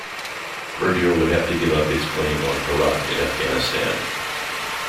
Persia would have to give up its claim on Herat in Afghanistan.